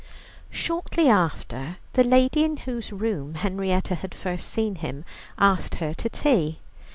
Shortly after, the lady in whose room Henrietta had first seen him, asked her to tea.